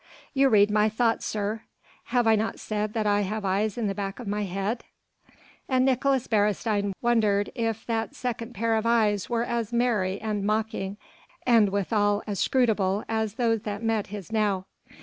"You read my thoughts, sir." "Have I not said that I have eyes at the back of my head?" And Nicolaes Beresteyn wondered if that second pair of eyes were as merry and mocking and withal as inscrutable as those that met his now.